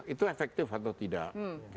itu efektif atau tidak